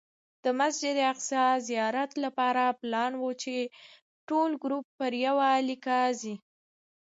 د مسجد الاقصی زیارت لپاره پلان و چې ټول ګروپ پر یوه لیکه ځي.